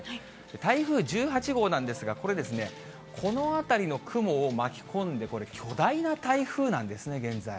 台風１８号なんですが、これですね、この辺りの雲を巻き込んで、これ、巨大な台風なんですね、現在。